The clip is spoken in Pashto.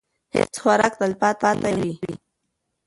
هیڅ خوراک تلپاتې نه وي.